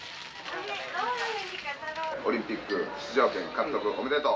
オリンピック出場権獲得おめでとう。